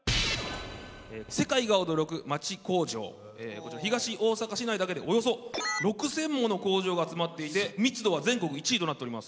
こちら東大阪市内だけでおよそ６，０００もの工場が集まっていて密度は全国１位となっております。